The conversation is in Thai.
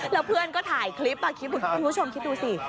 แล้วเพื่อนก็ถ่ายคลิปคุณผู้ชมคิดดูสิ